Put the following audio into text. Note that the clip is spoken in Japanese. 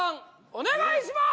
お願いします！